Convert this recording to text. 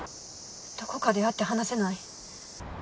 どこかで会って話せない？